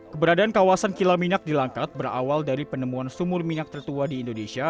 keberadaan kawasan kilang minyak di langkat berawal dari penemuan sumur minyak tertua di indonesia